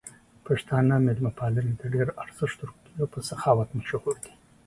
پښتانه مېلمه پالنې ته ډېر ارزښت ورکوي او په سخاوت مشهور دي.